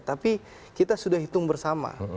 tapi kita sudah hitung bersama